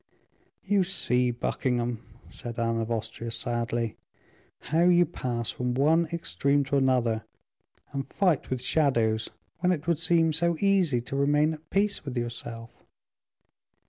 "You see, Buckingham," said Anne of Austria, sadly, "how you pass from one extreme to another, and fight with shadows, when it would seem so easy to remain at peace with yourself."